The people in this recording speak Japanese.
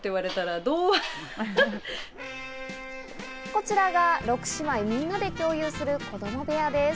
こちらが６姉妹みんなで共有する子供部屋です。